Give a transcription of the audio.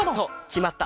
きまった！